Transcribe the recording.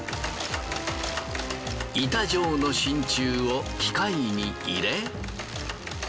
板状の真鍮を機械に入れ。